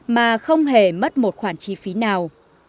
mà không hề mất một khoản chi phí nào